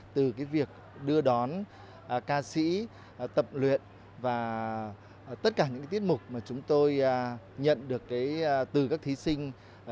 từ việc đưa đón ca sĩ tập luyện và tất cả những tiết mục mà chúng tôi nhận được từ các thí sinh